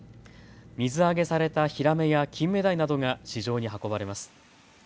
水揚げされたヒラメやキンメダイなどが市場に運ばれます。